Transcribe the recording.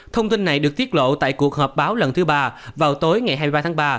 thông tin này được tiết lộ tại cuộc họp báo lần thứ ba vào tối ngày hai mươi ba tháng ba